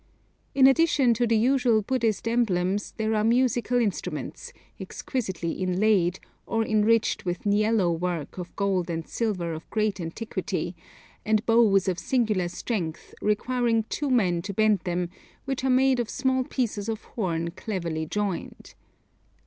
In addition to the usual Buddhist emblems there are musical instruments, exquisitely inlaid, or enriched with niello work of gold and silver of great antiquity, and bows of singular strength, requiring two men to bend them, which are made of small pieces of horn cleverly joined.